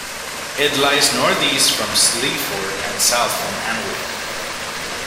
It lies north-east from Sleaford and south from Anwick.